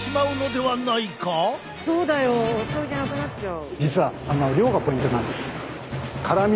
そうだよ。おしょうゆじゃなくなっちゃう。